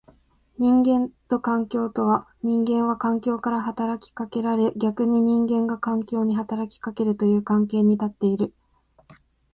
人間と環境とは、人間は環境から働きかけられ逆に人間が環境に働きかけるという関係に立っている。